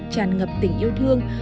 tràn ngập tình yêu thương